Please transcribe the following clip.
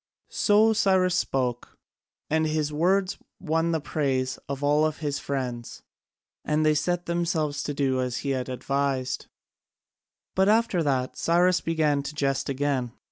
So Cyrus spoke, and his words won the praise of all his friends, and they set themselves to do as he advised. But after that Cyrus began to jest again.